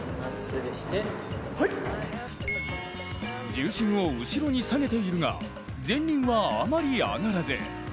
重心を後ろに下げているが前輪は、あまり上がらず。